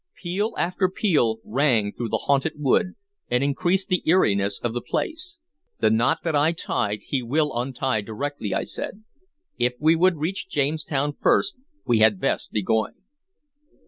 Peal after peal rang through the haunted wood, and increased the eeriness of the place. "The knot that I tied he will untie directly," I said. "If we would reach Jamestown first, we had best be going."